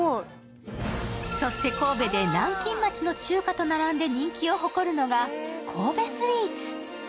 そして、神戸で南京町の中華と並んで人気を誇るのが神戸スイーツ。